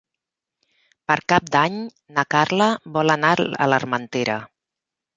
Per Cap d'Any na Carla vol anar a l'Armentera.